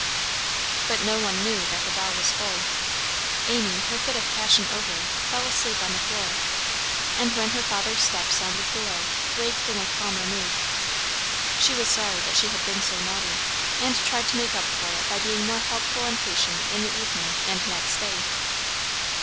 But no one knew that the doll was full. Amy, her fit of passion over, fell asleep on the floor, and when her father's step sounded below, waked in a calmer mood. She was sorry that she had been so naughty, and tried to make up for it by being more helpful and patient in the evening and next day.